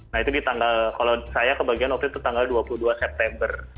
nah itu di tanggal kalau saya kebagian waktu itu tanggal dua puluh dua september